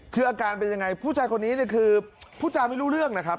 คืออาการเป็นยังไงผู้ชายคนนี้เนี่ยคือผู้จาไม่รู้เรื่องนะครับ